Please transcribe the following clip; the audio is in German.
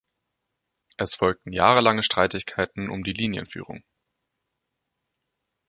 Es folgten jahrelange Streitigkeiten um die Linienführung.